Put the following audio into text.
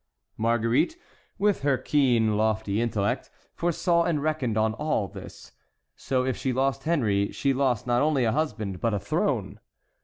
Marguerite, with her keen, lofty intellect, foresaw and reckoned on all this. So if she lost Henry she lost not only a husband, but a throne.